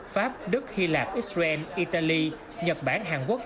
pháp đức hy lạp israel italy nhật bản hàn quốc